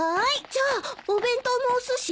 じゃあお弁当もおすし？